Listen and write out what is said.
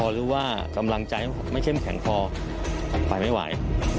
หรือว่ากำลังใจไม่เข้มแข็งพอไปไม่ไหว